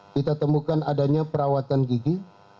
kita temukan adanya perawatan gigi